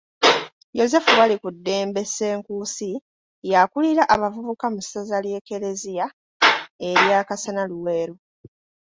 Yozefu Balikuddembe Senkuusi, y'akulira abavubuka mu ssaza ly'eklezia erya Kasana-Luweero.